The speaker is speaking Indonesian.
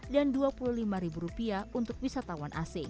dan rp dua puluh lima untuk wisatawan asing